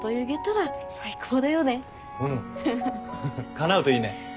かなうといいね。